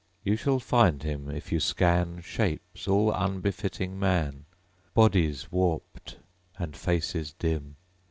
You shall find him, if you scan Shapes all unbefitting Man, Bodies warped, and faces dim.